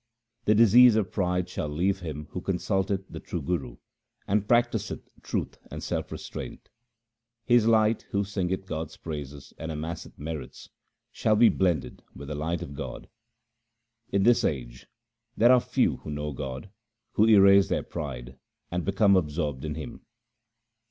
1 The disease of pride shall leave him who consulteth the true Guru and practiseth truth and self restraint. His light who singeth God's praises and amasseth merits, shall be blended with the light of God. In this age there are few who know God, who erase their pride and become absorbed in Him.